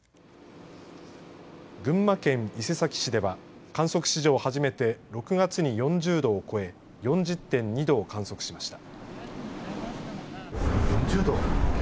群馬県伊勢崎市では観測史上初めて６月に４０度を超え４０．２度を観測しました。